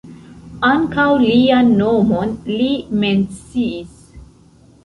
Ankaŭ lian nomon li menciis.